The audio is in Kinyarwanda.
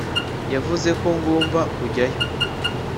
yavuze ko ngomba kujyayo